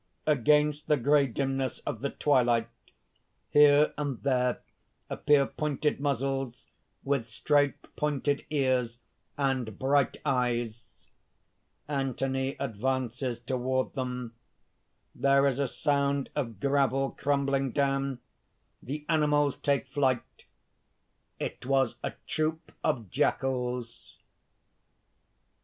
(_Against the grey dimness of the twilight, here and there appear pointed muzzles, with straight, pointed ears and bright eyes. Anthony advances toward them. There is a sound of gravel crumbling down; the animals take flight. It was a troop of jackals.